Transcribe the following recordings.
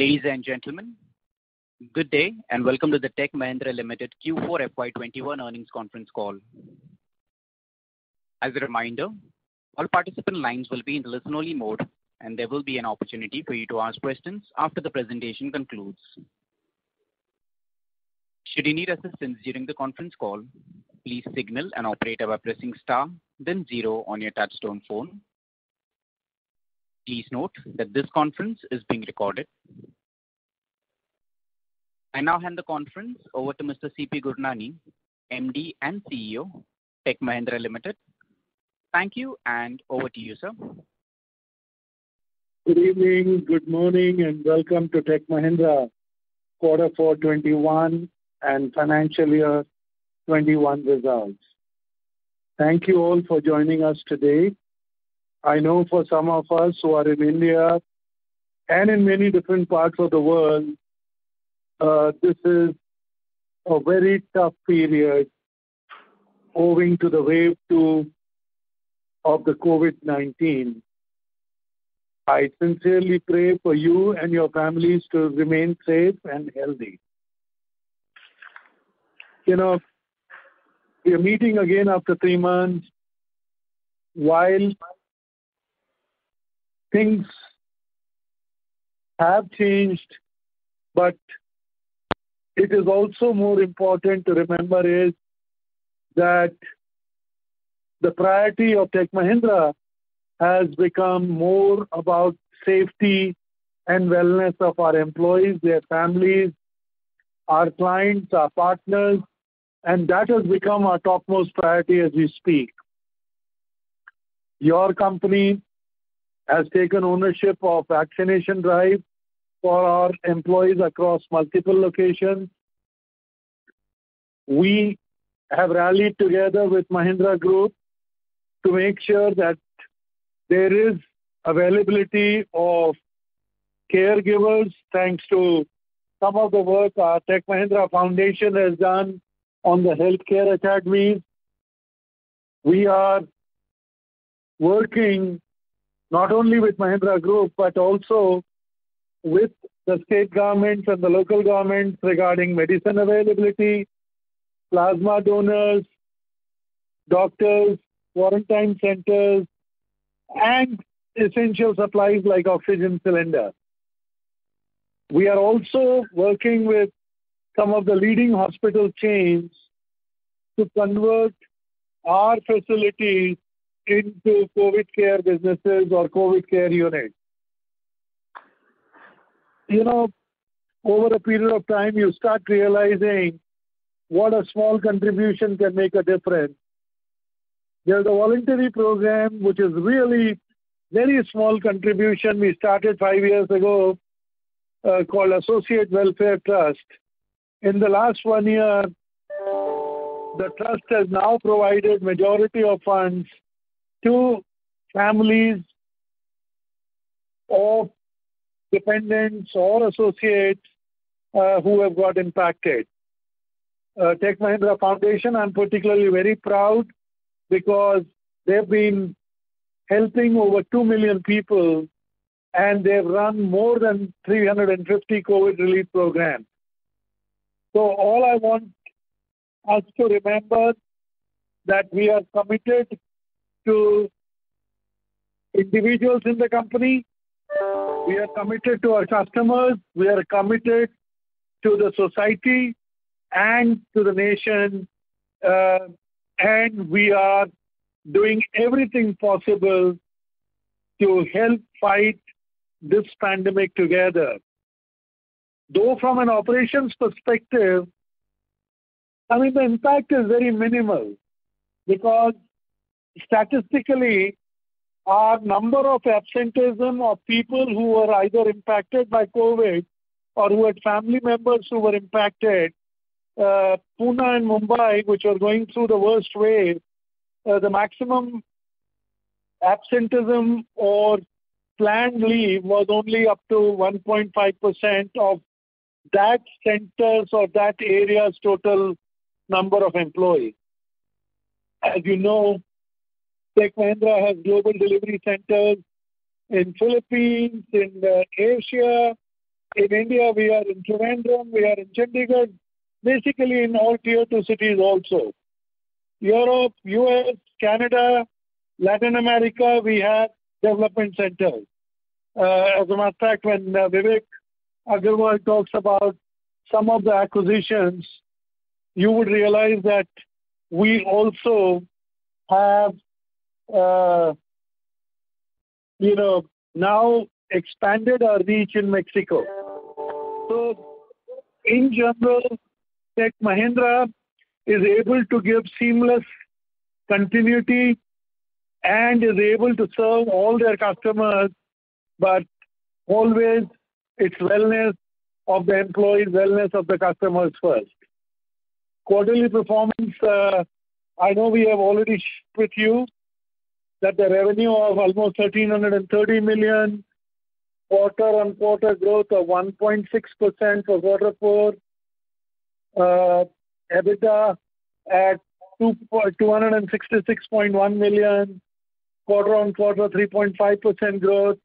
Ladies and gentlemen, good day and welcome to the Tech Mahindra Limited Q4 FY 2021 earnings conference call. As a reminder, all participant lines will be in listen only mode and there will be an opportunity for you to ask questions after the presentation concludes. Should you need assistance during the conference call, please signal an operator by pressing star then zero on your touchtone phone. Please note that this conference is being recorded. I now hand the conference over to Mr. C.P. Gurnani, MD and CEO, Tech Mahindra Limited. Thank you and over to you, sir. Good evening, good morning and welcome to Tech Mahindra quarter 4 FY 2021 and FY 2021 results. Thank you all for joining us today. I know for some of us who are in India and in many different parts of the world, this is a very tough period owing to the wave two of the COVID-19. I sincerely pray for you and your families to remain safe and healthy. We're meeting again after three months while things have changed. It is also more important to remember is that the priority of Tech Mahindra has become more about safety and wellness of our employees, their families, our clients, our partners. That has become our topmost priority as we speak. Your company has taken ownership of vaccination drive for our employees across multiple locations. We have rallied together with Mahindra Group to make sure that there is availability of caregivers, thanks to some of the work our Tech Mahindra Foundation has done on the Healthcare Academy. We are working not only with Mahindra Group but also with the state governments and the local governments regarding medicine availability, plasma donors, doctors, quarantine centers and essential supplies like oxygen cylinder. We are also working with some of the leading hospital chains to convert our facilities into COVID care businesses or COVID care unit. Over a period of time, you start realizing what a small contribution can make a difference. There's a voluntary program which is really very small contribution we started five years ago, called Associate Welfare Trust. In the last one year, the trust has now provided majority of funds to families of dependents or associates who have got impacted. Tech Mahindra Foundation, I'm particularly very proud because they've been helping over two million people and they've run more than 350 COVID relief programs. All I want us to remember that we are committed to individuals in the company, we are committed to our customers, we are committed to the society and to the nation, and we are doing everything possible to help fight this pandemic together. Though from an operations perspective, the impact is very minimal because statistically our number of absenteeism of people who were either impacted by COVID or who had family members who were impacted, Pune and Mumbai which are going through the worst wave, the maximum absenteeism or planned leave was only up to 1.5% of that center's or that area's total number of employees. As you know, Tech Mahindra has global delivery centers in Philippines, in Asia. In India, we are in Trivandrum, we are in Chandigarh. Basically in all tier two cities also. Europe, U.S., Canada, Latin America we have development centers. As a matter of fact, when Vivek Agarwal talks about some of the acquisitions, you would realize that we also have now expanded our reach in Mexico. In general, Tech Mahindra is able to give seamless continuity and is able to serve all their customers but always it's wellness of the employees, wellness of the customers first. Quarterly performance, I know we have already shared with you that the revenue of almost $1,330 million, quarter-on-quarter growth of 1.6% for quarter four. EBITDA at $266.1 million, quarter-on-quarter 3.5% growth.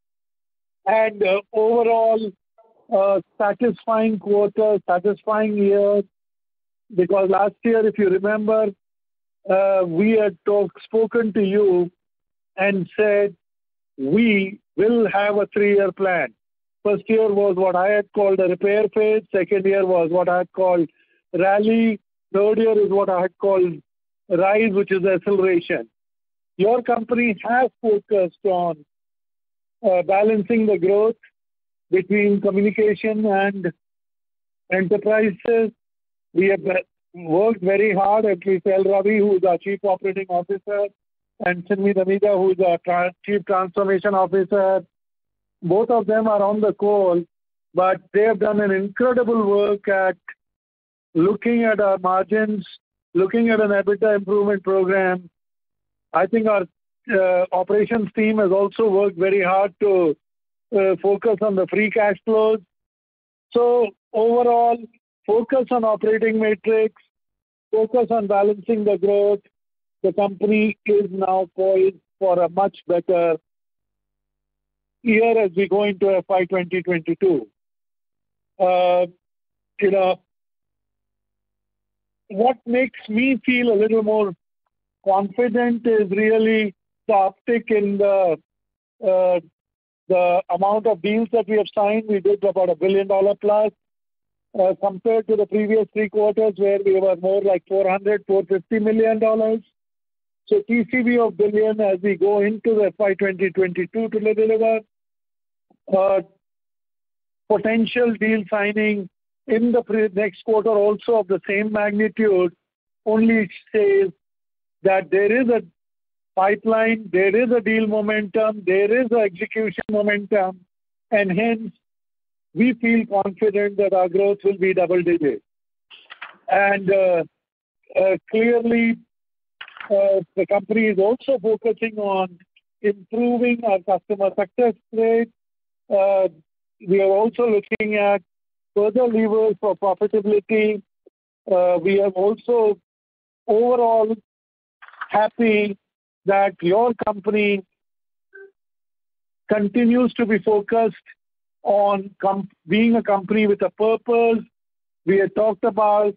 Overall, a satisfying quarter, satisfying year. Because last year, if you remember, we had spoken to you and said we will have a three-year plan. First year was what I had called a repair phase, second year was what I had called rally, third year is what I had called rise, which is acceleration. Your company has focused on balancing the growth between communication and enterprises. We have worked very hard, and we thank Ravi, who is our Chief Operating Officer, and Simmi Dhamija, who is our Chief Transformation Officer. Both of them are on the call, but they have done an incredible work at looking at our margins, looking at an EBITDA improvement program. I think our operations team has also worked very hard to focus on the free cash flows. Overall, focus on operating metrics, focus on balancing the growth. The company is now poised for a much better year as we go into FY 2022. What makes me feel a little more confident is really the uptick in the amount of deals that we have signed. We did about a billion-dollar plus, compared to the previous three quarters where we were more like $ 400, $ 450 million. TCV of billion as we go into FY 2022, to level it out. Potential deal signing in the next quarter also of the same magnitude, only it says that there is a pipeline, there is a deal momentum, there is execution momentum, and hence we feel confident that our growth will be double-digit. Clearly, the company is also focusing on improving our customer success rate. We are also looking at further levers for profitability. We are also overall happy that your company continues to be focused on being a company with a purpose. We had talked about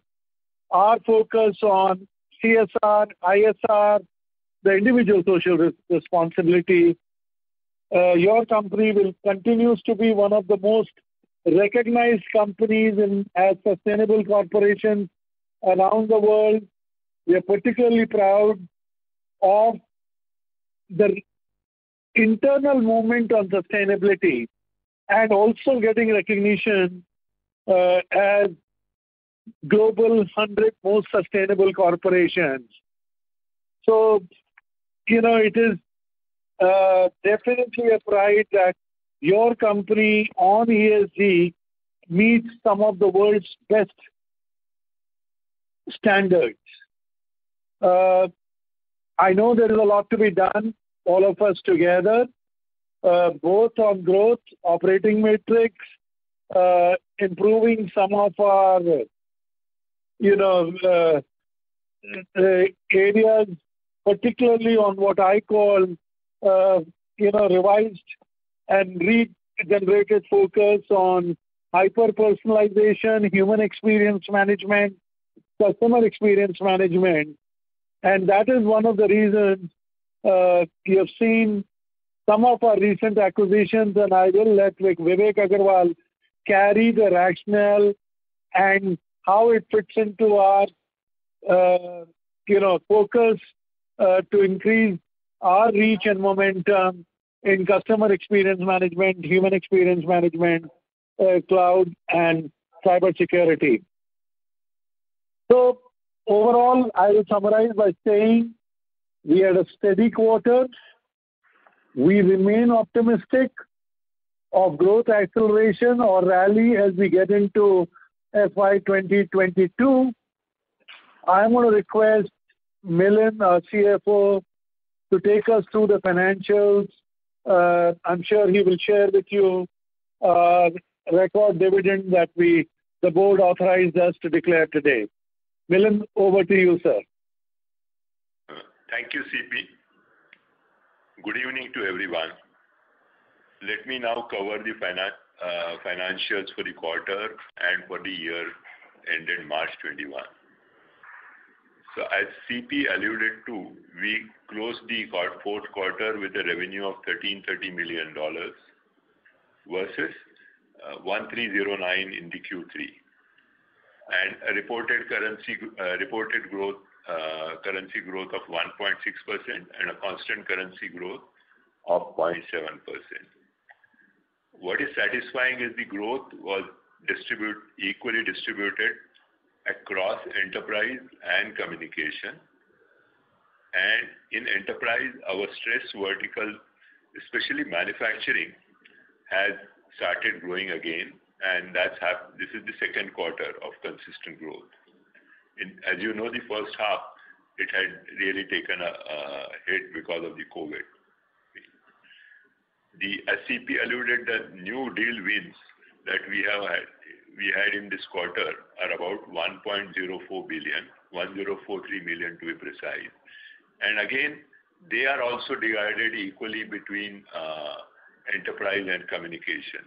our focus on CSR, ISR, the individual social responsibility. Your company continues to be one of the most recognized companies as sustainable corporations around the world. We are particularly proud of the internal movement on sustainability and also getting recognition as Global 100 Most Sustainable Corporations. It is definitely a pride that your company on ESG meets some of the world's best standards. I know there is a lot to be done, all of us together, both on growth, operating metrics, improving some of our areas, particularly on what I call revised and regenerated focus on hyper-personalization, human experience management, customer experience management. That is one of the reasons you have seen some of our recent acquisitions, and I will let Vivek Agarwal carry the rationale and how it fits into our focus to increase our reach and momentum in customer experience management, human experience management, cloud, and cyber security. Overall, I will summarize by saying we had a steady quarter. We remain optimistic of growth acceleration or rally as we get into FY 2022. I am going to request Milind, our CFO, to take us through the financials. I'm sure he will share with you a record dividend that the board authorized us to declare today. Milind, over to you, sir. Thank you, C.P. Good evening to everyone. Let me now cover the financials for the quarter and for the year ending March 2021. As C.P alluded to, we closed the fourth quarter with a revenue of $1,330 million versus $1,309 in the Q3. A reported currency growth of 1.6% and a constant currency growth of 0.7%. What is satisfying is the growth was equally distributed across enterprise and communication. In enterprise, our stress vertical, especially manufacturing, has started growing again, and this is the second quarter of consistent growth. As you know, the first half, it had really taken a hit because of the COVID. As C.P. alluded to, the new deal wins that we had in this quarter are about $1.04 billion, $1.043 billion to be precise. Again, they are also divided equally between enterprise and communication.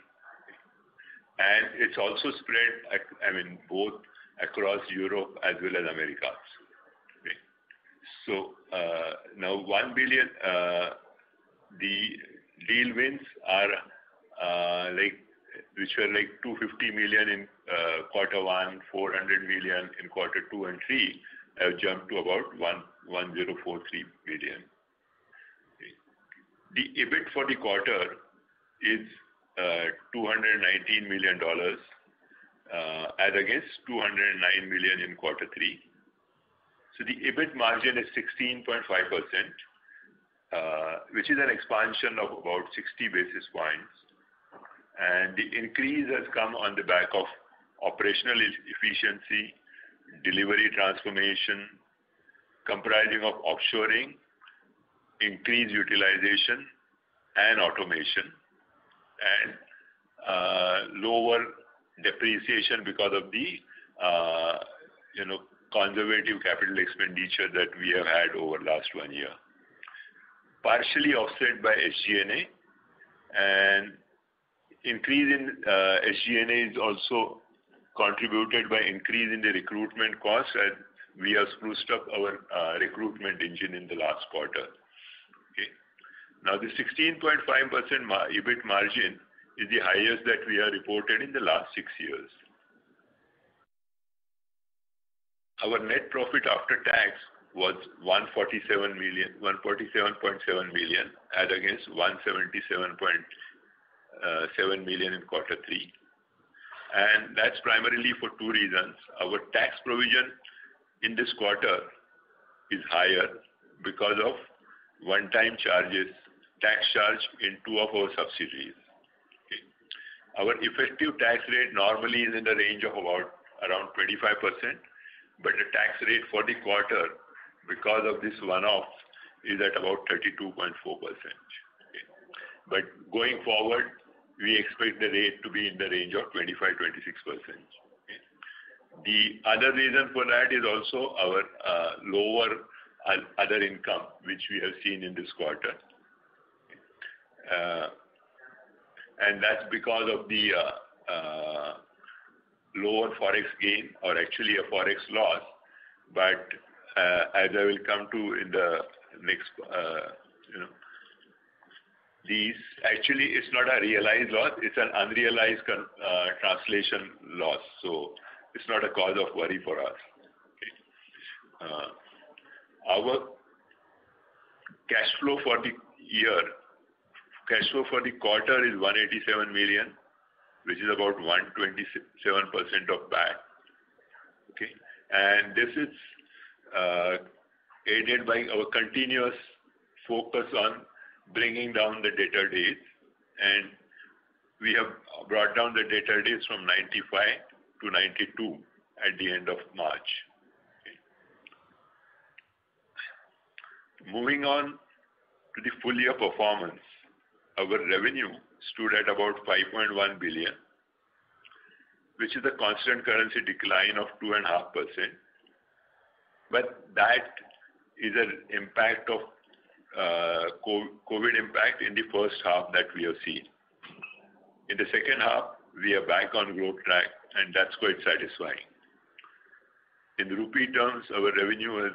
It's also spread both across Europe as well as Americas. The $1 billion, the deal wins, which were like $250 million in quarter one, $400 million in quarter two and three, have jumped to about $1.043 billion. The EBIT for the quarter is $219 million as against $209 million in quarter three. The EBIT margin is 16.5%, which is an expansion of about 60 basis points, and the increase has come on the back of operational efficiency, delivery transformation, comprising of offshoring, increased utilization and automation, and lower depreciation because of the conservative capital expenditure that we have had over last one year. Partially offset by SG&A, increase in SG&A is also contributed by increase in the recruitment costs as we have spruced up our recruitment engine in the last quarter. The 16.5% EBIT margin is the highest that we have reported in the last six years. Our net profit after tax was $147.7 million, as against $177.7 million in quarter three. That's primarily for two reasons. Our tax provision in this quarter is higher because of one-time charges, tax charge in two of our subsidiaries. Our effective tax rate normally is in the range of about around 25%, but the tax rate for the quarter, because of this one-off, is at about 32.4%. Going forward, we expect the rate to be in the range of 25%-26%. The other reason for that is also our lower other income, which we have seen in this quarter. That's because of the lower Forex gain, or actually a Forex loss. as I will come to in the next Actually, it's not a realized loss, it's an unrealized translation loss. it's not a cause of worry for us. Our cash flow for the quarter is $187 million, which is about 127% of that. this is aided by our continuous focus on bringing down the debtor days, and we have brought down the debtor days from 95 to 92 at the end of March. Moving on to the full year performance. Our revenue stood at about $5.1 billion, which is a constant currency decline of 2.5%. that is a COVID impact in the first half that we have seen. In the second half, we are back on growth track and that's quite satisfying. In rupee terms, our revenue is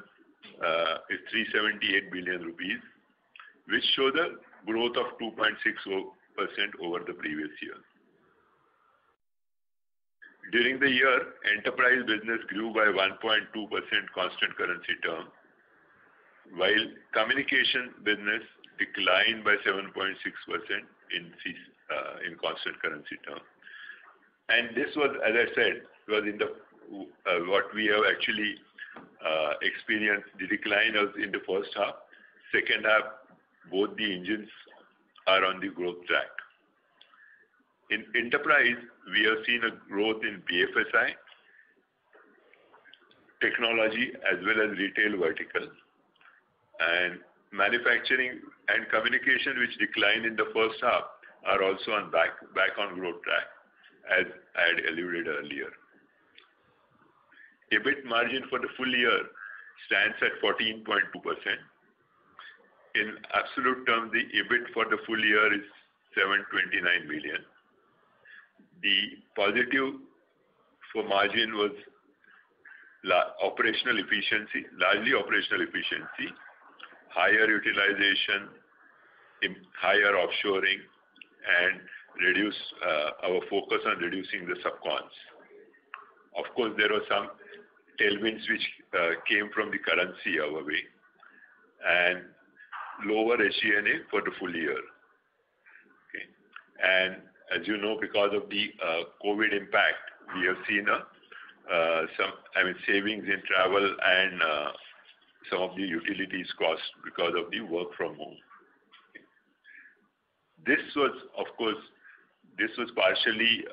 378 billion rupees, which show the growth of 2.6% over the previous year. During the year, enterprise business grew by 1.2% constant currency term, while communication business declined by 7.6% in constant currency term. This was, as I said, what we have actually experienced, the decline of in the first half. Second half, both the engines are on the growth track. In enterprise, we have seen a growth in BFSI technology as well as retail verticals. Manufacturing and communication, which declined in the first half, are also back on growth track as I had alluded earlier. EBIT margin for the full year stands at 14.2%. In absolute terms, the EBIT for the full year is $729 million. The positive for margin was largely operational efficiency, higher utilization in higher offshoring, and our focus on reducing the sub cons. Of course, there were some tailwinds which came from the currency our way, and lower SG&A for the full year. As you know, because of the COVID-19 impact, we have seen savings in travel and some of the utilities cost because of the work from home. Of course, this was partially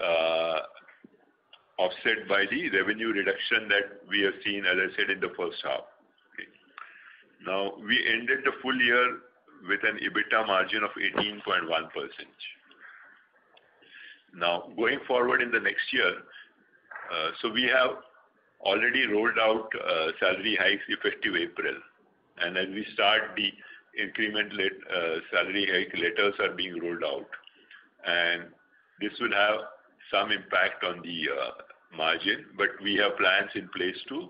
offset by the revenue reduction that we have seen, as I said, in the first half. Now, we ended the full year with an EBITDA margin of 18.1%. Now, going forward in the next year, we have already rolled out salary hikes effective April. As we start, the incremental salary hike letters are being rolled out. This will have some impact on the margin, but we have plans in place to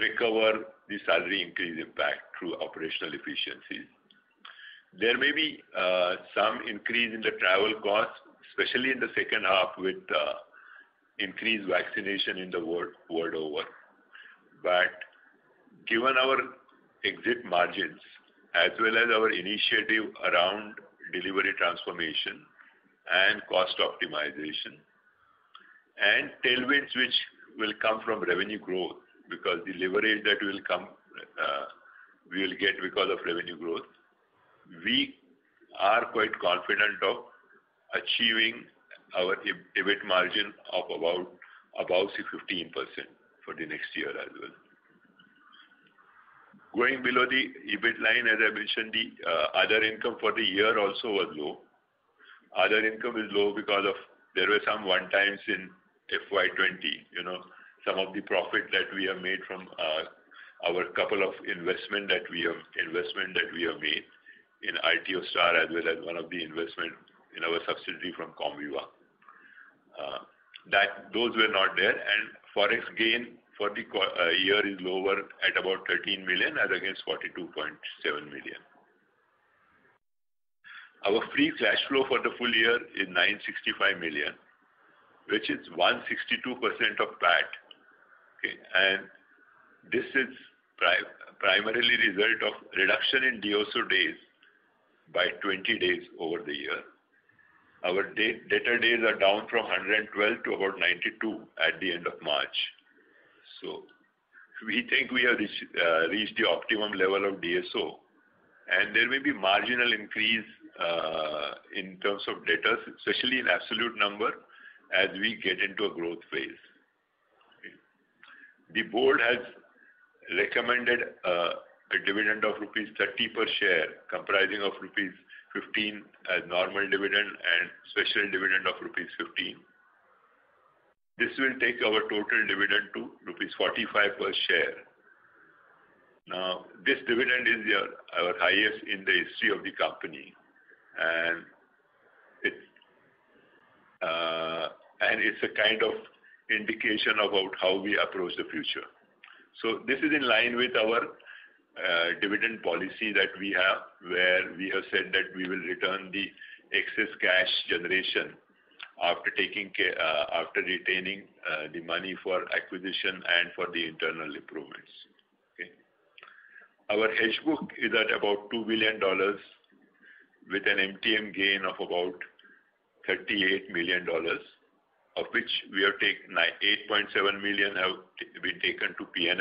recover the salary increase impact through operational efficiencies. There may be some increase in the travel costs, especially in the second half with increased vaccination in the world over. Given our exit margins as well as our initiative around delivery transformation and cost optimization, and tailwinds which will come from revenue growth, because the leverage that we will get because of revenue growth, we are quite confident of achieving our EBIT margin of about 15% for the next year as well. Going below the EBIT line, as I mentioned, the other income for the year also was low. Other income is low because there were some one-times in FY20, some of the profit that we have made from our couple of investment that we have made in Altiostar Networks as well as one of the investment in our subsidiary from Comviva. Those were not there. Forex gain for the year is lower at about $13 million as against $42.7 million. Our free cash flow for the full year is $965 million, which is 162% of PAT. This is primarily result of reduction in DSO days by 20 days over the year. Our debtor days are down from 112 to about 92 at the end of March. We think we have reached the optimum level of DSO, and there may be marginal increase in terms of debtors, especially in absolute number as we get into a growth phase. The board has recommended a dividend of rupees 30 per share, comprising of rupees 15 as normal dividend and special dividend of rupees 15. This will take our total dividend to rupees 45 per share. This dividend is our highest in the history of the company, and it's a kind of indication about how we approach the future. This is in line with our dividend policy that we have, where we have said that we will return the excess cash generation after retaining the money for acquisition and for the internal improvements. Our hedge book is at about INR 2 billion with an MTM gain of about INR 38 million, of which 8.7 million have been taken to P&L,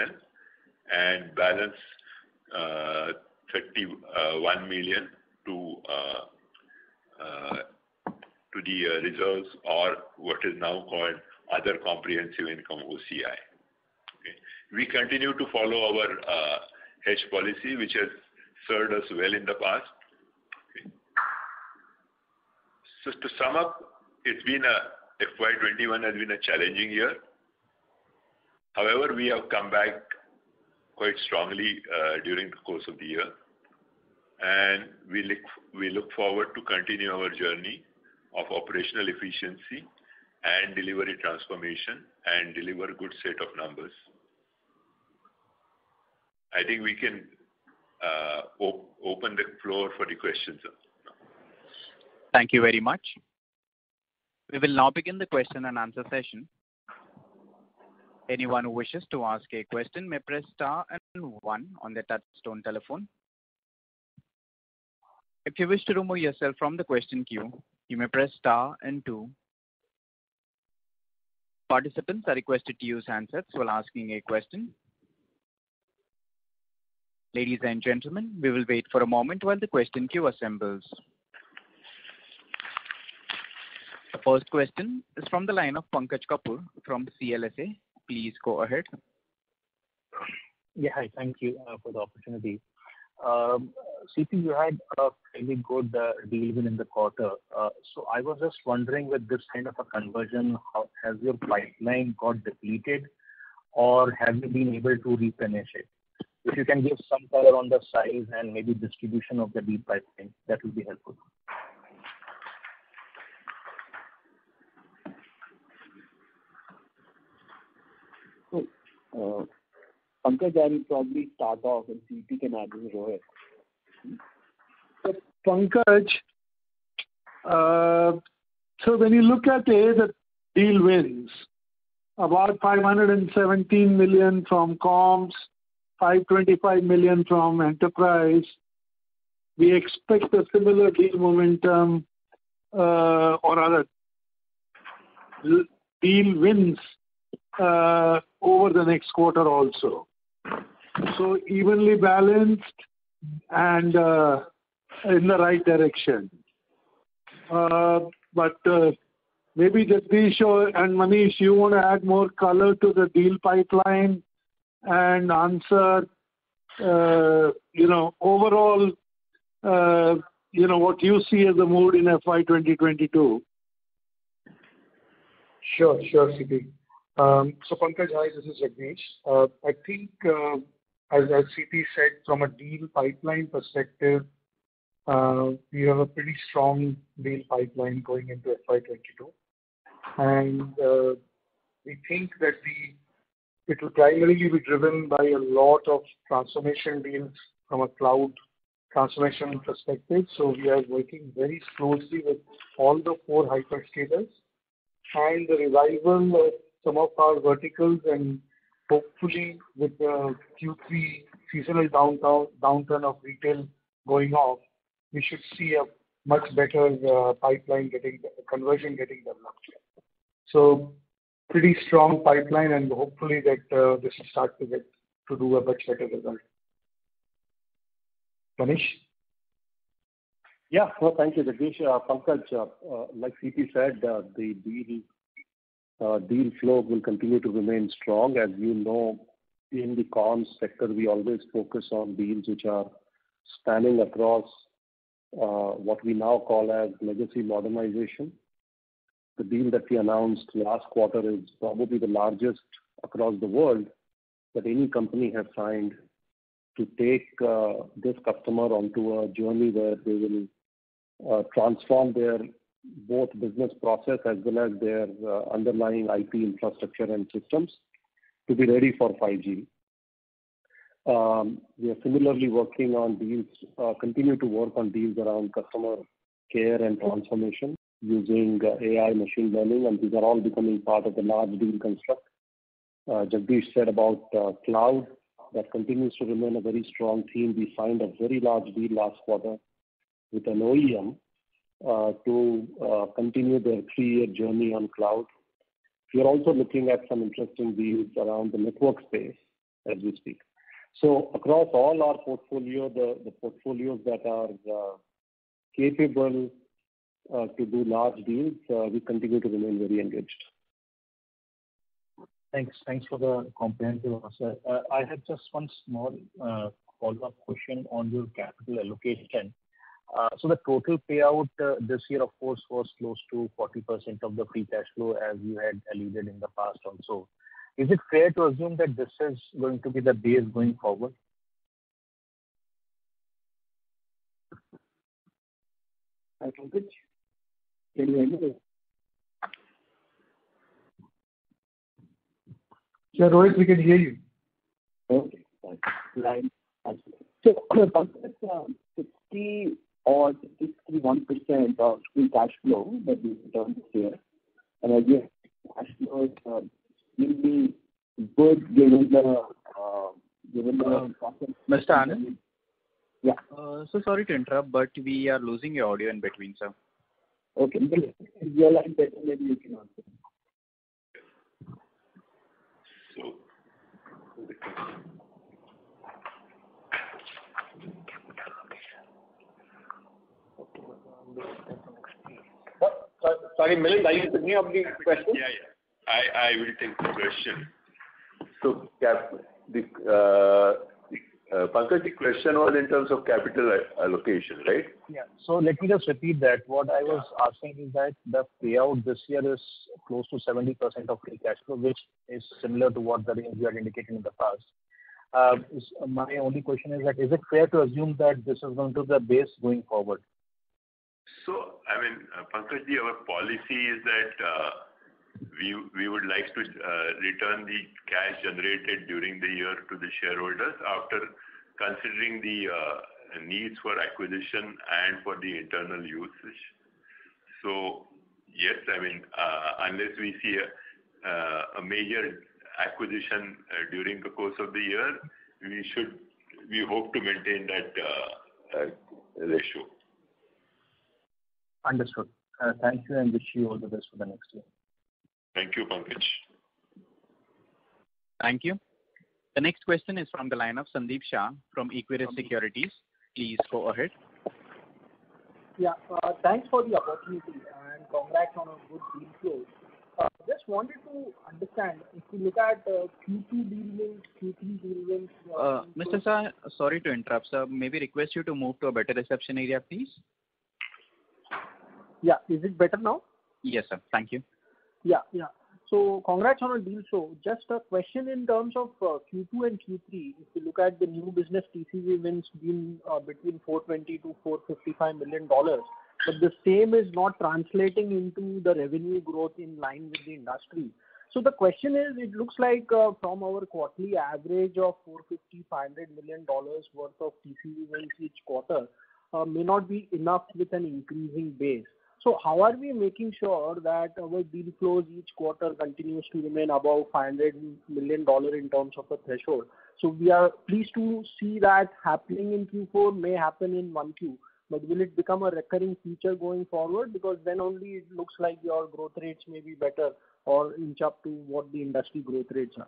and balance 31 million to the reserves or what is now called other comprehensive income, OCI. We continue to follow our hedge policy, which has served us well in the past. To sum up, FY 2021 has been a challenging year. However, we have come back quite strongly during the course of the year, and we look forward to continue our journey of operational efficiency and delivery transformation and deliver a good set of numbers. I think we can open the floor for the questions now. Thank you very much. We will now begin the question and answer session. Anyone who wishes to ask a question may press star and one on their touchtone telephone. If you wish to remove yourself from the question queue, you may press star and two. Participants are requested to use handsets while asking a question. Ladies and gentlemen, we will wait for a moment while the question queue assembles. The first question is from the line of Pankaj Kapoor from CLSA. Please go ahead. Yeah. Hi, thank you for the opportunity. C.P., you had a fairly good deal even in the quarter. I was just wondering with this kind of a conversion, has your pipeline got depleted or have you been able to replenish it? If you can give some color on the size and maybe distribution of the deal pipeline, that will be helpful. Pankaj, I will probably start off and C.P. can add in wherever. Pankaj, when you look at the deal wins, about 517 million from comms, 525 million from enterprise. We expect a similar deal momentum or other deal wins over the next quarter also. evenly balanced and in the right direction. Maybe Jagdish or Manish, you want to add more color to the deal pipeline and answer overall what you see as a mood in FY 2022? Sure, C.P. Pankaj, hi, this is Jagdish. I think as C.P. said, from a deal pipeline perspective, we have a pretty strong deal pipeline going into FY 2022. We think that it will primarily be driven by a lot of transformation deals from a cloud transformation perspective. We are working very closely with all the four hyperscalers and the revival of some of our verticals and hopefully with the Q3 seasonal downturn of retail going off, we should see a much better pipeline conversion getting developed here. Pretty strong pipeline and hopefully that this will start to do a much better result. Manish. Yeah. Well, thank you, Jagdish. Pankaj Kapoor, like C.P. said, the deal flow will continue to remain strong. As you know, in the comms sector, we always focus on deals which are spanning across what we now call as legacy modernization. The deal that we announced last quarter is probably the largest across the world that any company has signed to take this customer onto a journey where they will transform their both business process as well as their underlying IT infrastructure and systems to be ready for 5G. We are similarly continue to work on deals around customer care and transformation using AI machine learning, and these are all becoming part of the large deal construct. Jagdish said about cloud, that continues to remain a very strong theme. We signed a very large deal last quarter with an OEM to continue their three-year journey on cloud. We are also looking at some interesting deals around the network space as we speak. Across all our portfolio, the portfolios that are capable to do large deals, we continue to remain very engaged. Thanks for the comprehensive answer. I had just one small follow-up question on your capital allocation. The total payout this year, of course, was close to 40% of the free cash flow as you had alluded in the past also. Is it fair to assume that this is going to be the base going forward? Hi, Pankaj. Can you hear me? Sure, Rohit, we can hear you. Okay, got you. Pankaj, 60 or 61% of free cash flow that you returned this year. are you good given the- Mr. Anand? Yeah. Sir, sorry to interrupt, but we are losing your audio in between, sir. Okay. Maybe you can answer. Sorry, Milind, are you repeating your question? Yeah. I will take the question. Pankaj, the question was in terms of capital allocation, right? Yeah. Let me just repeat that. What I was asking is that the payout this year is close to 70% of free cash flow, which is similar to what the range you had indicated in the past. My only question is that, is it fair to assume that this is going to be the base going forward? Pankaj, our policy is that we would like to return the cash generated during the year to the shareholders after considering the needs for acquisition and for the internal usage. yes, unless we see a major acquisition during the course of the year, we hope to maintain that ratio. Understood. Thank you and wish you all the best for the next year. Thank you, Pankaj. Thank you. The next question is from the line of Sandeep Shah from Equirus Securities. Please go ahead. Yeah. Thanks for the opportunity and congrats on a good deal flow. Just wanted to understand, if you look at Q2 deal wins, Q3 deal wins- Mr. Shah, sorry to interrupt, sir. May we request you to move to a better reception area, please? Yeah. Is it better now? Yes, sir. Thank you. Yeah. congrats on the deal flow. Just a question in terms of Q2 and Q3. If you look at the new business TCV wins been between 420 to $455 million, but the same is not translating into the revenue growth in line with the industry. the question is, it looks like from our quarterly average of $450, $500 million worth of TCV wins each quarter may not be enough with an increasing base. how are we making sure that our deal flow each quarter continues to remain above $500 million in terms of the threshold? we are pleased to see that happening in Q4 may happen in one Q, but will it become a recurring feature going forward? then only it looks like your growth rates may be better or inch up to what the industry growth rates are.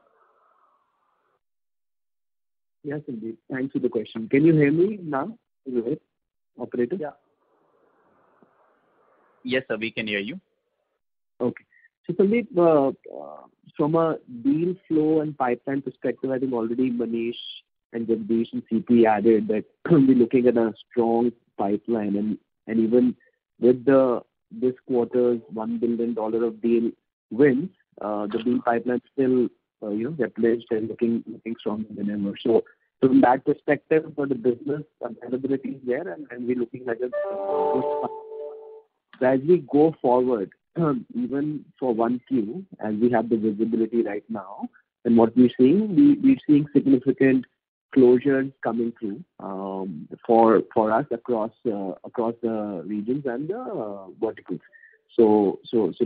Yes, Sandeep. Thanks for the question. Can you hear me now, Rohit? Operator? Yeah. Yes, sir. We can hear you. Okay. Sandeep, from a deal flow and pipeline perspective, I think already Manish and Jagdish and CP added that we're looking at a strong pipeline and even with this quarter's $ 1 billion of deal wins, the deal pipeline is still replenished and looking stronger than ever. From that perspective for the business, sustainability is there and we're looking at a good. As we go forward, even for 1Q, as we have the visibility right now and what we're seeing, we're seeing significant closures coming through for us across the regions and the verticals.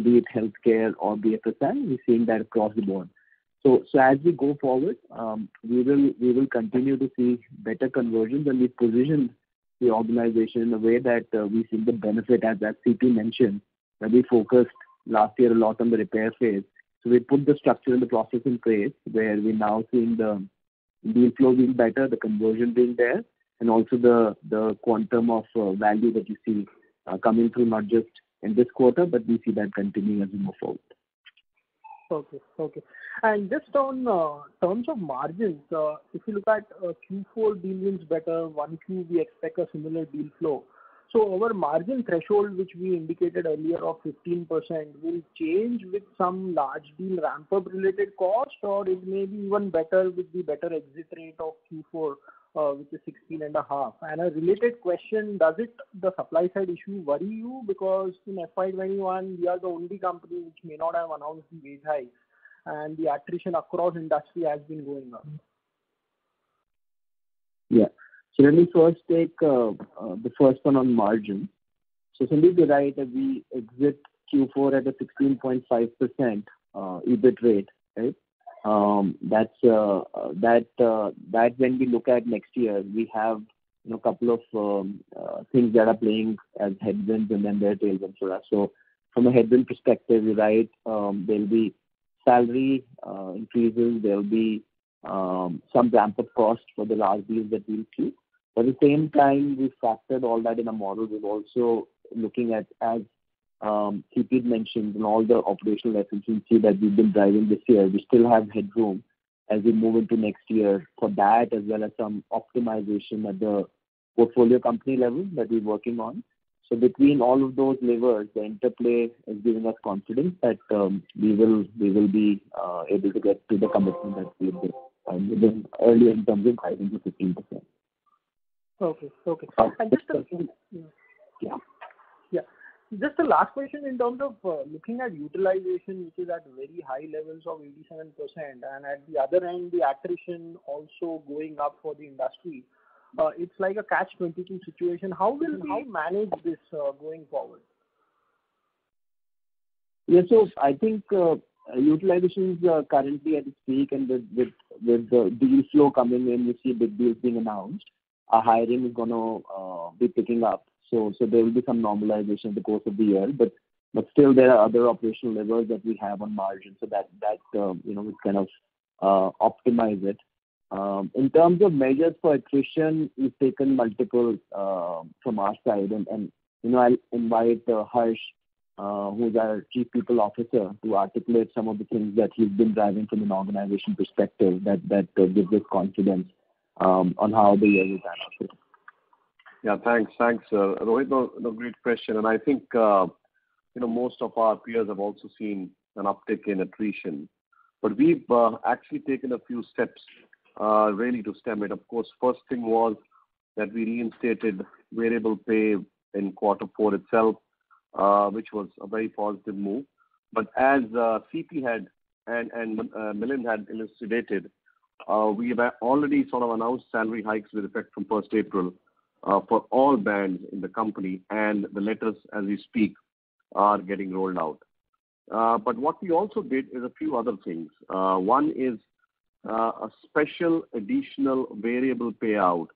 Be it healthcare or be it retail, we're seeing that across the board. As we go forward, we will continue to see better conversions and we've positioned the organization in a way that we see the benefit, as CP mentioned, that we focused last year a lot on the repair phase. we put the structure and the process in place, where we're now seeing the deal flow being better, the conversion being there, and also the quantum of value that we see coming through, not just in this quarter, but we see that continuing as we move forward. Okay. Just on terms of margins, if you look at Q4 deal wins better, 1Q, we expect a similar deal flow. Our margin threshold, which we indicated earlier of 15%, will change with some large deal ramp-up related costs, or it may be even better with the better exit rate of Q4, which is 16 and a half. A related question, does the supply side issue worry you? Because in FY21, we are the only company which may not have announced the wage hikes, and the attrition across industry has been going on. Yeah. Let me first take the first one on margin. Sandeep, you're right that we exit Q4 at a 16.5% EBIT rate, right? When we look at next year, we have a couple of things that are playing as headwinds and then there are tails also. From a headwind perspective, you're right, there'll be salary increases, there'll be some ramp-up costs for the large deals that we'll see. At the same time, we factored all that in a model. We're also looking at, as CP mentioned, all the operational efficiency that we've been driving this year. We still have headroom as we move into next year for that, as well as some optimization at the portfolio company level that we're working on. between all of those levers, the interplay is giving us confidence that we will be able to get to the commitment that we had made earlier in terms of 15%-16%. Okay. just a- Yeah. Yeah. Just a last question in terms of looking at utilization, which is at very high levels of 87%, and at the other end, the attrition also going up for the industry. It's like a catch-22 situation. How will we manage this going forward? Yeah. I think utilization is currently at its peak and with the deal flow coming in, we see big deals being announced. Our hiring is going to be picking up, so there will be some normalization in the course of the year. Still there are other operational levers that we have on margin, so that we kind of optimize it. In terms of measures for attrition, we've taken multiple from our side. I'll invite Harshvendra Soin, who's our Chief People Officer, to articulate some of the things that he's been driving from an organization perspective that gives us confidence on how the year will pan out here. Yeah. Thanks. Rohit, a great question, and I think most of our peers have also seen an uptick in attrition. We've actually taken a few steps really to stem it. Of course, first thing was that we reinstated variable pay in quarter four itself, which was a very positive move. As C.P. had, and Milind had illustrated, we have already sort of announced salary hikes with effect from first April for all bands in the company and the letters, as we speak, are getting rolled out. What we also did is a few other things. One is a special additional variable payout.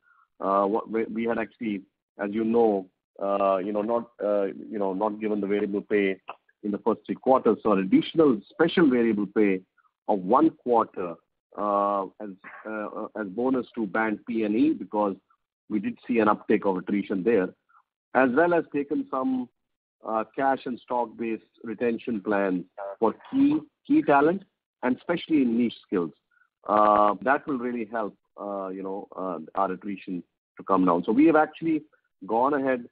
We had actually, as you know, not given the variable pay in the first three quarters. An additional special variable pay of one quarter as bonus to band P&E because we did see an uptick of attrition there, as well as taken some cash and stock-based retention plan for key talent and especially in niche skills. That will really help our attrition to come down. We have actually gone ahead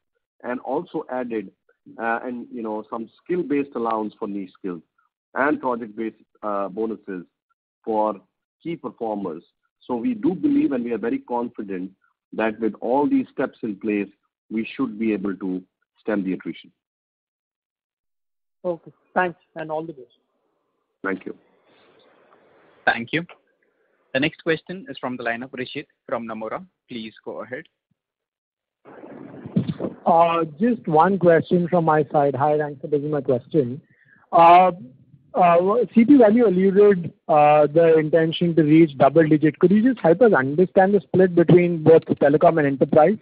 and also added some skill-based allowance for niche skills and project-based bonuses for key performers. We do believe, and we are very confident that with all these steps in place, we should be able to stem the attrition. Okay, thanks, and all the best. Thank you. Thank you. The next question is from the line of Rishit from Nomura. Please go ahead. Just one question from my side. Hi, thanks for taking my question. C.P., when you alluded the intention to reach double digit, could you just help us understand the split between both telecom and enterprise?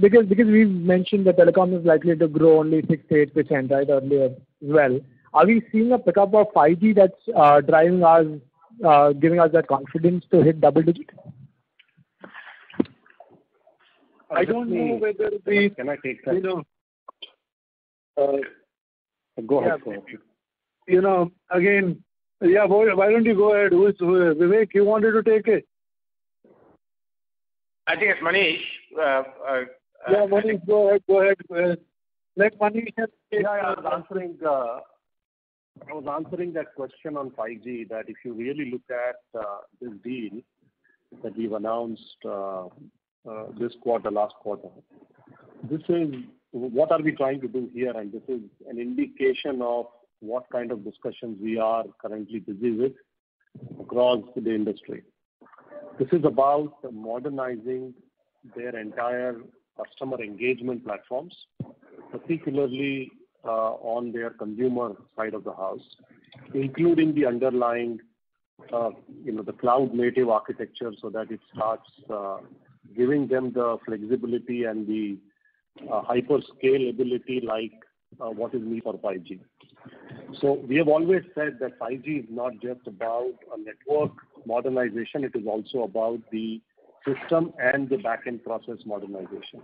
Because we've mentioned that telecom is likely to grow only 6%, 8%, right, earlier as well. Are we seeing a pickup of 5G that's giving us that confidence to hit double digit? I don't know whether we Can I take that? Go ahead. Yeah. Again, yeah, why don't you go ahead? Vivek, you wanted to take it? I think it's Manish. Yeah. Manish, go ahead. Let Manish take- Yeah. I was answering that question on 5G, that if you really look at this deal that we've announced this quarter, last quarter. What are we trying to do here? this is an indication of what kind of discussions we are currently busy with across the industry. This is about modernizing their entire customer engagement platforms, particularly on their consumer side of the house, including the underlying cloud-native architecture so that it starts giving them the flexibility and the hyper-scalability like what is needed for 5G. we have always said that 5G is not just about a network modernization, it is also about the system and the back-end process modernization.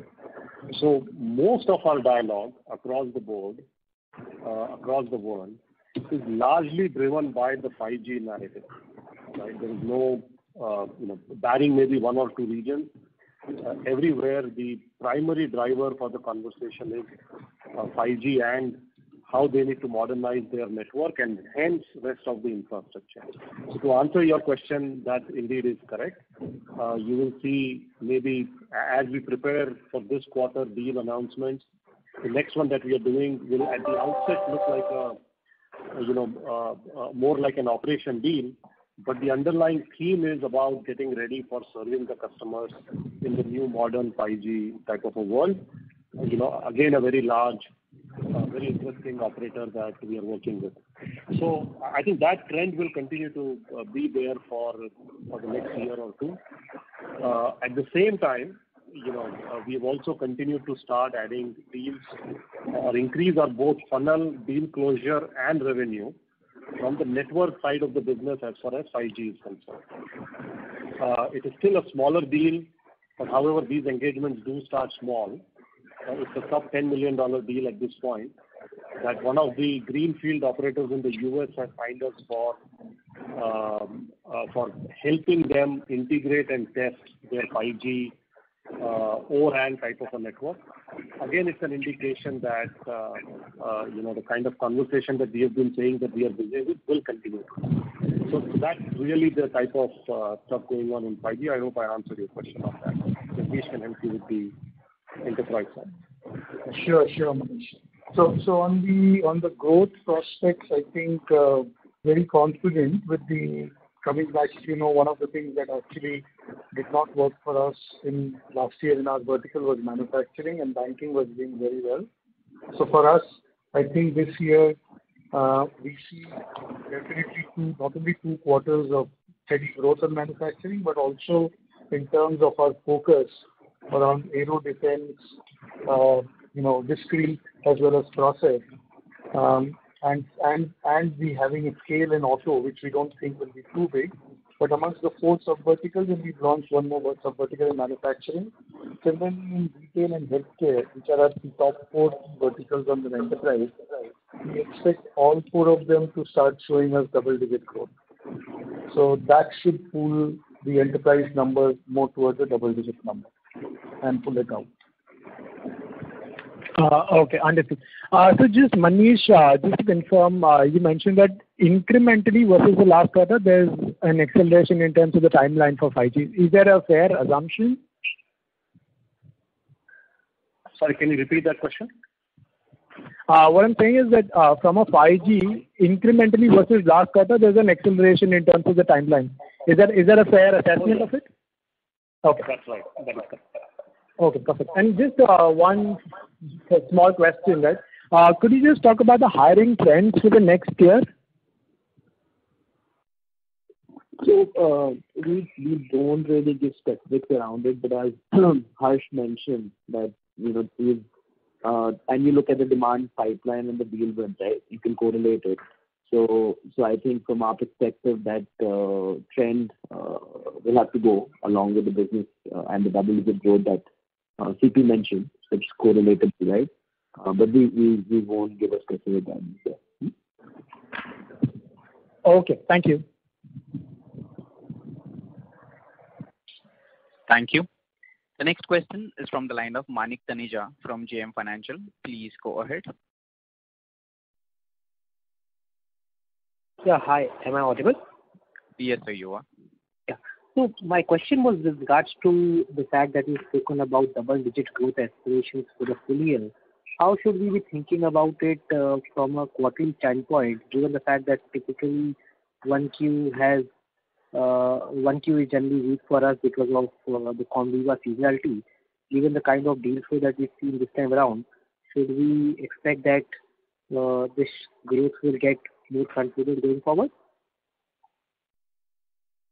most of our dialogue across the board, across the world, is largely driven by the 5G narrative, right? Barring maybe one or two regions, everywhere the primary driver for the conversation is 5G and how they need to modernize their network and hence rest of the infrastructure. To answer your question, that indeed is correct. You will see maybe as we prepare for this quarter deal announcements, the next one that we are doing will at the outset look more like an operation deal. The underlying theme is about getting ready for serving the customers in the new modern 5G type of a world. Again, a very large, very interesting operator that we are working with. I think that trend will continue to be there for the next year or two. At the same time, we've also continued to start adding deals or increase our both funnel deal closure and revenue from the network side of the business as far as 5G is concerned. It is still a smaller deal, but however, these engagements do start small. It's a sub $10 million deal at this point that one of the greenfield operators in the U.S. has hired us for helping them integrate and test their 5G O-RAN type of a network. Again, it's an indication that the kind of conversation that we have been saying that we are busy with will continue. That's really the type of stuff going on in 5G. I hope I answered your question on that. Satish can help you with the enterprise side. Sure, Manish. On the growth prospects, I think very confident with the coming back. As you know, one of the things that actually did not work for us in last year in our vertical was manufacturing and banking was doing very well. For us, I think this year, we see definitely not only two quarters of steady growth in manufacturing, but also in terms of our focus around aero defense, discrete as well as process, and we having a scale in auto, which we don't think will be too big. Amongst the four sub verticals, and we've launched one more sub vertical in manufacturing, together with retail and healthcare, which are our top four verticals on the enterprise side, we expect all four of them to start showing us double-digit growth. That should pull the enterprise numbers more towards a double-digit number and pull it out. Okay. Understood. just, Manish, just to confirm, you mentioned that incrementally versus the last quarter, there's an acceleration in terms of the timeline for 5G. Is that a fair assumption? Sorry, can you repeat that question? What I'm saying is that from a 5G incrementally versus last quarter, there's an acceleration in terms of the timeline. Is that a fair assessment of it? Okay. That's right. Okay, perfect. Just one small question, guys. Could you just talk about the hiring trends for the next year? We don't really give specifics around it, but as Harsh mentioned, and you look at the demand pipeline and the deal wins, you can correlate it. I think from our perspective, that trend will have to go along with the business and the double-digit growth that C.P. mentioned, which is correlated to. We won't give a specific guidance there. Okay. Thank you. Thank you. The next question is from the line of Manik Taneja from JM Financial. Please go ahead. Yeah. Hi. Am I audible? Yes, sir, you are. Yeah. my question was with regards to the fact that you've spoken about double-digit growth aspirations for the full year. How should we be thinking about it from a quarterly standpoint, given the fact that typically one Q is generally weak for us because of the combo of seasonality. Given the kind of deal flow that we've seen this time around, should we expect that this growth will get more contributed going forward?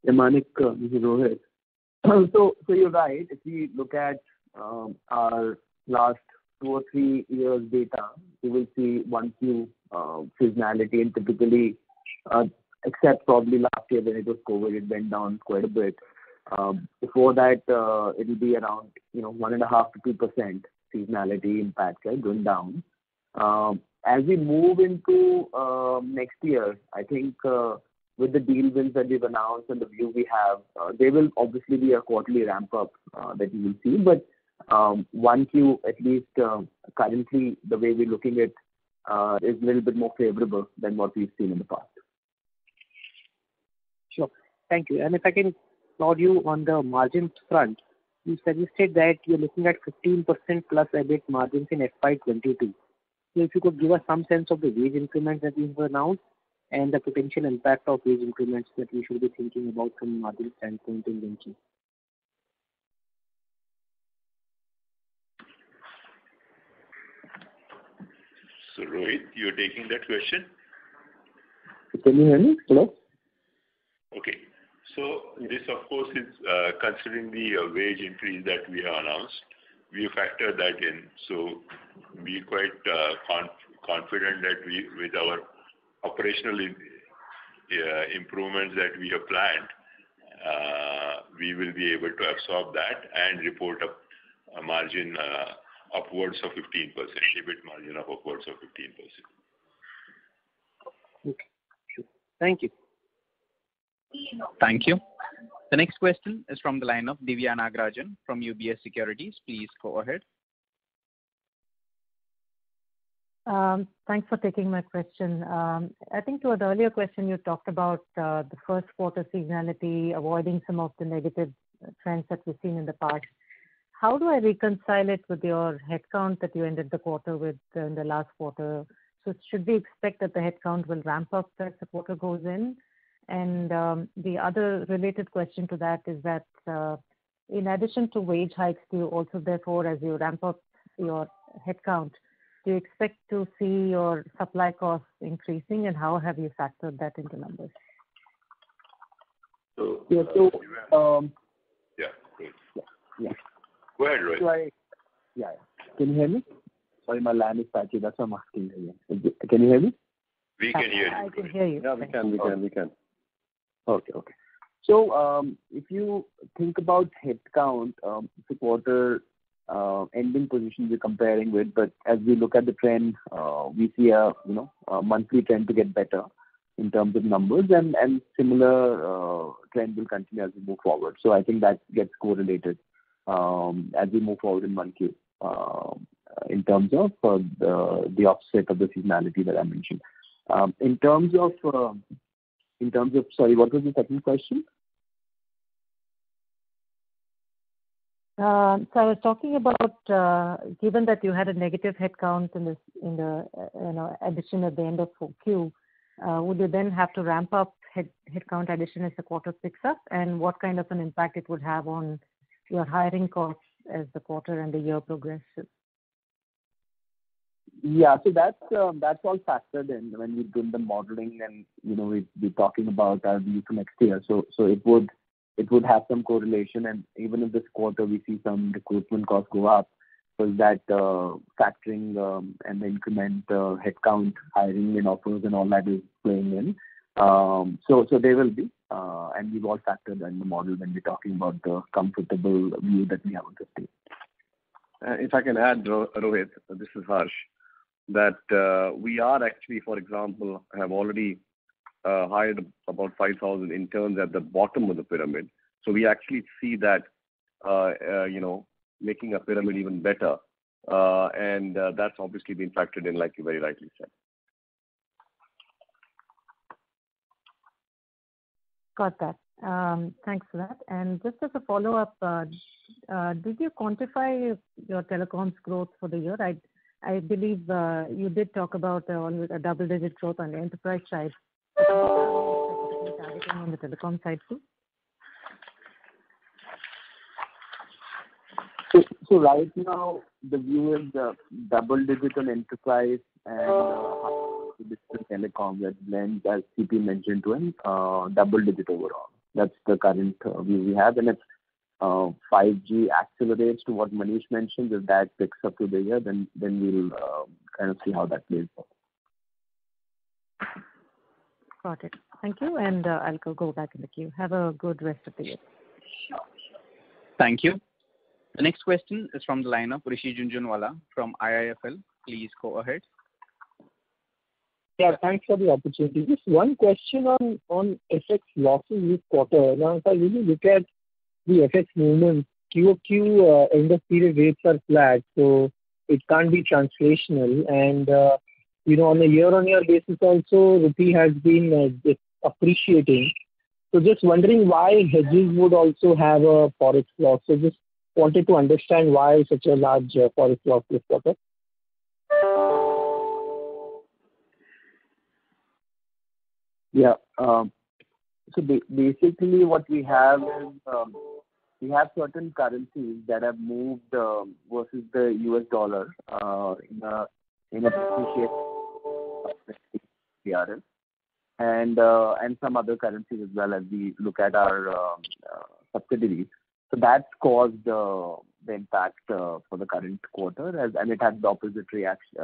Yeah, Manik. This is Rohit. You're right. If you look at our last two or three years' data, you will see one Q seasonality and typically, except probably last year when it was COVID-19, it went down quite a bit. Before that, it'll be around 1.5%-2% seasonality impact going down. As we move into next year, I think with the deal wins that we've announced and the view we have, there will obviously be a quarterly ramp-up that we will see. One Q, at least currently, the way we're looking at is a little bit more favorable than what we've seen in the past. Sure. Thank you. If I can follow you on the margin front, you suggested that you're looking at 15% plus EBIT margins in FY 2022. If you could give us some sense of the wage increments that you've announced and the potential impact of wage increments that we should be thinking about from a margin standpoint in WNS. Rohit, you're taking that question? Can you hear me? Hello? Okay. This, of course, is considering the wage increase that we have announced. We factor that in. We're quite confident that with our operational improvements that we have planned, we will be able to absorb that and report a margin upwards of 15%, EBIT margin of upwards of 15%. Okay. Thank you. Thank you. The next question is from the line of Diviya Nagarajan from UBS Securities. Please go ahead. Thanks for taking my question. I think to an earlier question, you talked about the first quarter seasonality, avoiding some of the negative trends that we've seen in the past. How do I reconcile it with your headcount that you ended the quarter with in the last quarter? Should we expect that the headcount will ramp up as the quarter goes in? The other related question to that is that, in addition to wage hikes, do you also therefore, as you ramp up your headcount, do you expect to see your supply costs increasing, and how have you factored that into numbers? So- So- Yeah, great. Yeah. Go ahead, Rohit. Yeah. Can you hear me? Sorry, my line is patchy. That's why I'm asking again. Can you hear me? We can hear you. I can hear you. Yeah, we can. Okay. If you think about headcount, it's a quarter ending position we're comparing with, but as we look at the trend, we see a monthly trend to get better in terms of numbers, and similar trend will continue as we move forward. I think that gets correlated as we move forward in one Q in terms of the offset of the seasonality that I mentioned. In terms of, sorry, what was the second question? I was talking about, given that you had a negative headcount in the addition at the end of 4Q, would you then have to ramp up headcount addition as the quarter picks up? What kind of an impact it would have on your hiring costs as the quarter and the year progresses? Yeah. That's all factored in when we've done the modeling and we're talking about our view for next year. It would have some correlation. Even in this quarter, we see some recruitment costs go up. That factoring and the increment headcount, hiring and offers and all that is playing in. They will be, and we've all factored in the model when we're talking about the comfortable view that we have with this team. If I can add, Rohit, this is Harsh. That we are actually, for example, have already hired about 5,000 interns at the bottom of the pyramid. We actually see that making a pyramid even better, and that's obviously been factored in, like you very rightly said. Got that. Thanks for that. Just as a follow-up, did you quantify your telecoms growth for the year? I believe you did talk about a double-digit growth on the enterprise side. Specifically targeting on the telecom side too. Right now the view is double-digit on enterprise and double-digit telecom. As CP mentioned to him, double-digit overall. That's the current view we have. If 5G accelerates to what Manish mentioned, if that picks up through the year, then we'll kind of see how that plays out. Got it. Thank you. I'll go back in the queue. Have a good rest of the year. Sure. Thank you. The next question is from the line of Rishi Jhunjhunwala from IIFL. Please go ahead. Yeah, thanks for the opportunity. Just one question on FX losses this quarter. Now, if I really look at the FX movement, QoQ end of period rates are flat, so it can't be translational. On a year-on-year basis also, rupee has been appreciating. Just wondering why hedges would also have a Forex loss. Just wanted to understand why such a large Forex loss this quarter. Yeah. Basically what we have is, we have certain currencies that have moved versus the US dollar in appreciation and some other currencies as well as we look at our subsidiaries. That's caused the impact for the current quarter, and it had the opposite reaction,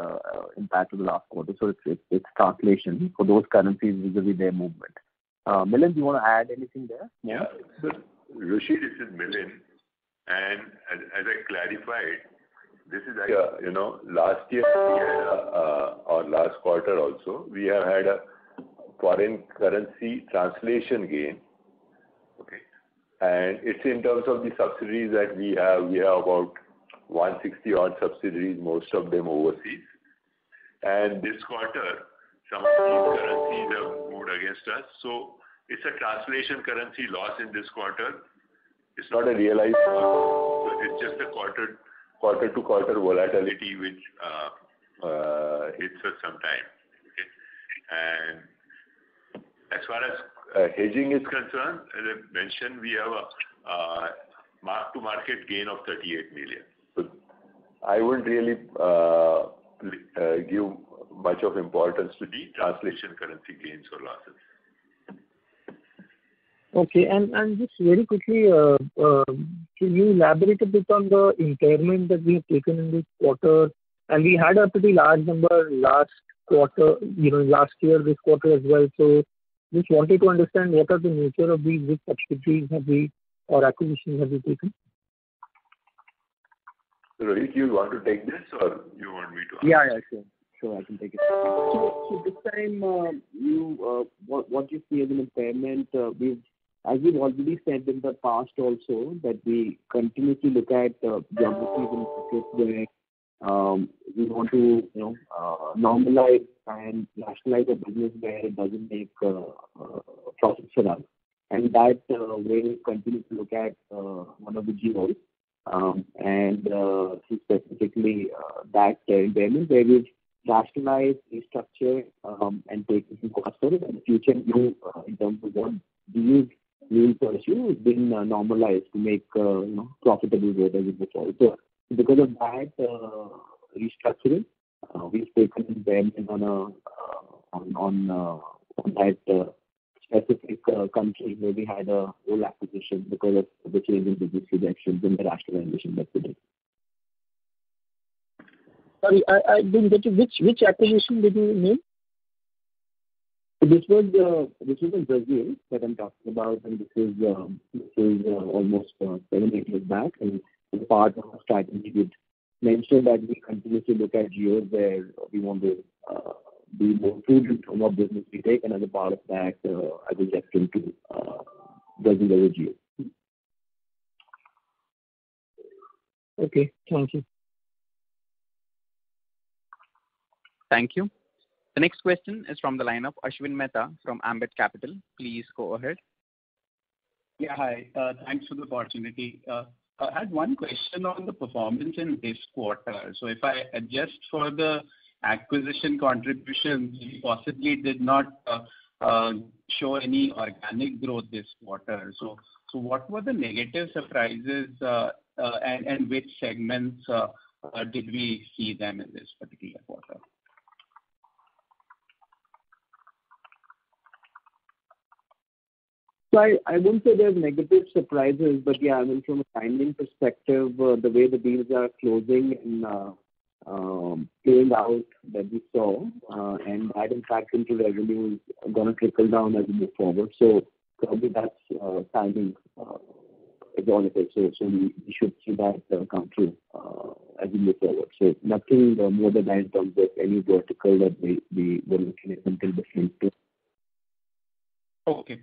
impact to the last quarter. It's translation for those currencies vis-à-vis their movement. Milind, do you want to add anything there? Yeah. Rohit, this is Milind, and as I clarified, last year or last quarter also, we have had a foreign currency translation gain. Okay. It's in terms of the subsidiaries that we have. We have about 160 odd subsidiaries, most of them overseas. This quarter, some of these currencies have moved against us. It's a translation currency loss in this quarter. It's not a realized loss. It's just a quarter-to-quarter volatility which hits us sometime. Okay. As far as hedging is concerned, as I mentioned, we have a mark-to-market gain of $38 million. I wouldn't really give much importance to the translation currency gains or losses. Okay. just very quickly, can you elaborate a bit on the impairment that we have taken in this quarter? we had a pretty large number last quarter, last year, this quarter as well. just wanted to understand what are the nature of which subsidiaries have we or acquisitions have we taken? Rohit, you want to take this or you want me to answer? Yeah. Sure. I can take it. This time, what you see as an impairment, as we've already said in the past also, that we continuously look at geographies in a situation where we want to normalize and rationalize a business where it doesn't make profits for us. That way, we continue to look at one of the geos. To specifically that impairment where we've rationalized restructure and taken costs for the future move in terms of what we will pursue has been normalized to make profitable business going forward. Because of that restructuring, we've taken impairment on that specific country where we had a whole acquisition because of the change in business direction and the rationalization that we did. Sorry, I didn't get you. Which acquisition did you mean? This is in Brazil that I'm talking about, and this is almost seven, eight years back, and it's part of our strategy. We've mentioned that we continuously look at geos where we want to be more prudent on what business we take. as a part of that, I will get into Brazilian geo. Okay. Thank you. Thank you. The next question is from the line of Ashwin Mehta from Ambit Capital. Please go ahead. Yeah. Hi. Thanks for the opportunity. I had one question on the performance in this quarter. If I adjust for the acquisition contribution, we possibly did not show any organic growth this quarter. What were the negative surprises, and which segments did we see them in this particular quarter? I wouldn't say there's negative surprises, but yeah, I mean, from a timing perspective, the way the deals are closing and playing out that we saw, and that impact into revenue is going to trickle down as we move forward. probably that's timing as one of it. we should see that come through as we move forward. nothing more than that in terms of any vertical that we will into. Okay.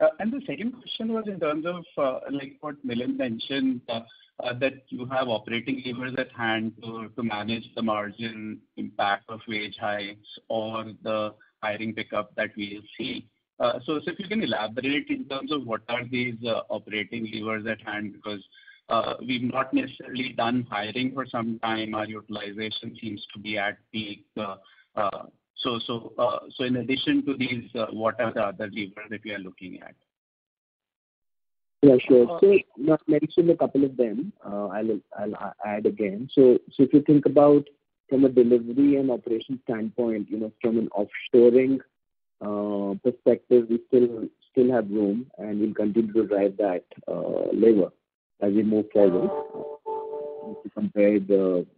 the second question was in terms of, like what Milind mentioned, that you have operating levers at hand to manage the margin impact of wage hikes or the hiring pickup that we see. if you can elaborate in terms of what are these operating levers at hand, because we've not necessarily done hiring for some time. Our utilization seems to be at peak. in addition to these, what are the other levers that we are looking at? Yeah, sure. I've mentioned a couple of them. I'll add again. If you think about from a delivery and operation standpoint, from an offshoring perspective, we still have room, and we'll continue to drive that lever as we move forward to compare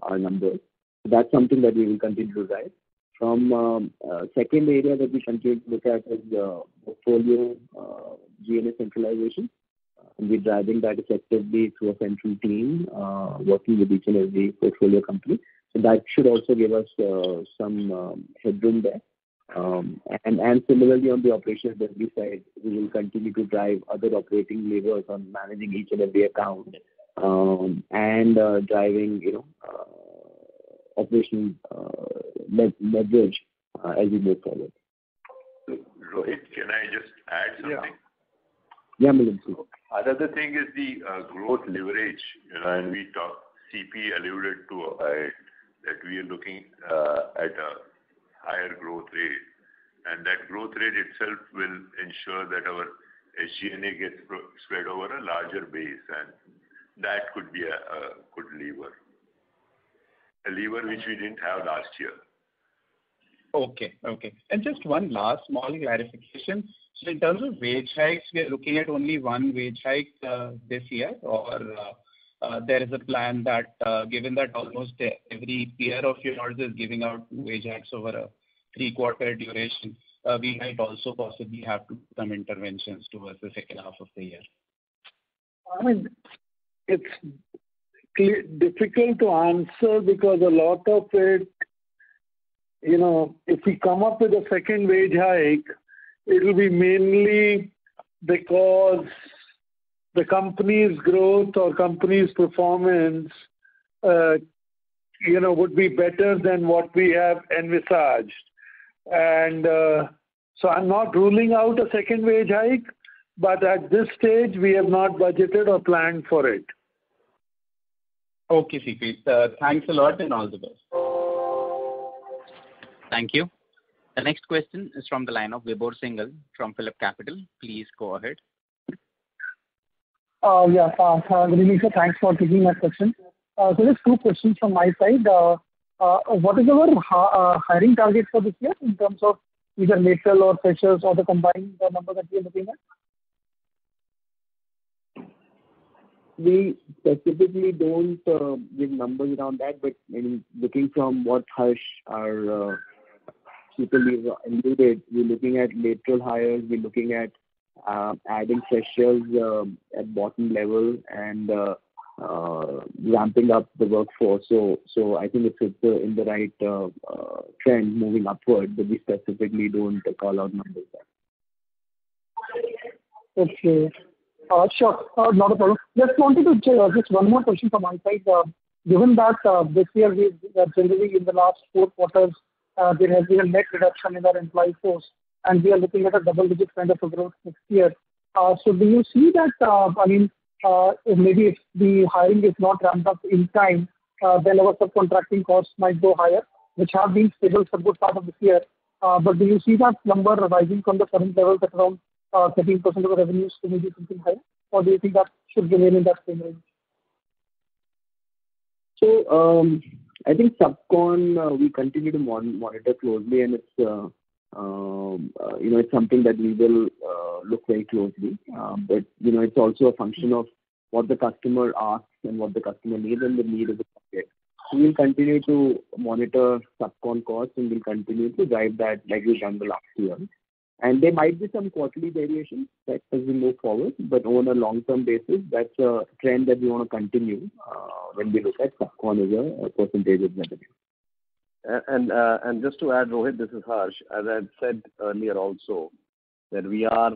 our numbers. That's something that we will continue to drive. From second area that we continue to look at is portfolio G&A centralization, and we're driving that effectively through a central team working with each and every portfolio company. That should also give us some headroom there. Similarly, on the operational delivery side, we will continue to drive other operating levers on managing each and every account, and driving operation leverage as we move forward. Rohit, can I just add something? Yeah. Yeah, Milind. Another thing is the growth leverage. CP alluded to it, that we are looking at a higher growth rate so that our SG&A gets spread over a larger base, and that could be a good lever. A lever which we didn't have last year. Okay. Just one last small clarification. In terms of wage hikes, we are looking at only one wage hike this year or there is a plan that given that almost every peer of yours is giving out wage hikes over a three-quarter duration, we might also possibly have to do some interventions towards the second half of the year. It's difficult to answer because a lot of it, if we come up with a second wage hike, it'll be mainly because the company's growth or company's performance would be better than what we have envisaged. I'm not ruling out a second wage hike, but at this stage, we have not budgeted or planned for it. Okay, C.P. Thanks a lot and all the best. Thank you. The next question is from the line of Vibhor Singhal from PhillipCapital. Please go ahead. Yeah. Good evening, sir. Thanks for taking my question. There's two questions from my side. What is our hiring target for this year in terms of either lateral or freshers or the combined number that we are looking at? We specifically don't give numbers around that, but looking from what Harsh our people leader alluded, we're looking at lateral hires, we're looking at adding freshers at bottom level and ramping up the workforce. I think it's in the right trend moving upward, but we specifically don't call out numbers there. Okay. Sure. Not a problem. Just wanted to just one more question from my side. Given that this year we are generally in the last four quarters, there has been a net reduction in our employee force, and we are looking at a double-digit kind of a growth next year. Do you see that, maybe if the hiring is not ramped up in time, then our subcontracting costs might go higher, which have been stable for a good part of this year. Do you see that number rising from the current levels at around 13% of the revenues to maybe something higher? Do you think that should remain in that same range? I think subcon we continue to monitor closely and it's something that we will look very closely. it's also a function of what the customer asks and what the customer needs and the need of the project. we'll continue to monitor subcon costs and we'll continue to drive that like we've done the last few years. there might be some quarterly variations as we move forward, but on a long-term basis, that's a trend that we want to continue when we look at subcon as a percentage of revenue. Just to add, Rohit, this is Harsh. As I had said earlier also, that we are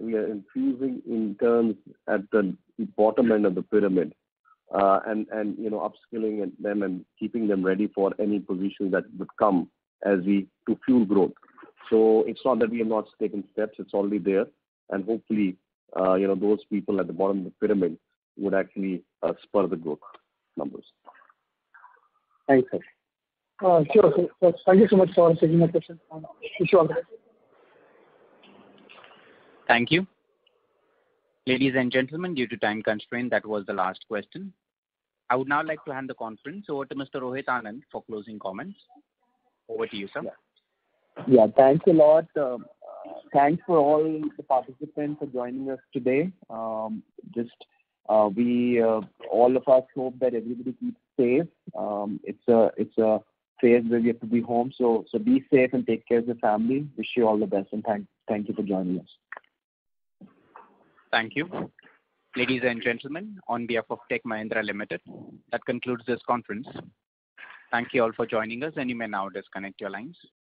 increasing in terms at the bottom end of the pyramid. Upskilling them and keeping them ready for any position that would come to fuel growth. It's not that we have not taken steps, it's already there. Hopefully, those people at the bottom of the pyramid would actually spur the growth numbers. Thanks, Harsh. Sure. Thank you so much for taking my question. Wish you all the best. Thank you. Ladies and gentlemen, due to time constraint, that was the last question. I would now like to hand the conference over to Mr. Rohit Anand for closing comments. Over to you, sir. Yeah. Thanks a lot. Thanks for all the participants for joining us today. All of us hope that everybody keeps safe. It's a phase where we have to be home, so be safe and take care of the family. Wish you all the best, and thank you for joining us. Thank you. Ladies and gentlemen, on behalf of Tech Mahindra Limited, that concludes this conference. Thank you all for joining us and you may now disconnect your lines.